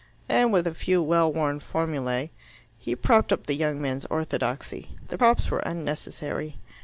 And, with a few well worn formulae, he propped up the young man's orthodoxy. The props were unnecessary.